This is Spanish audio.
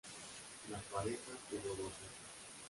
La pareja tuvo dos hijas.